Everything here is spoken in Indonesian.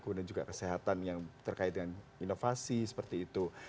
kemudian juga kesehatan yang terkait dengan inovasi seperti itu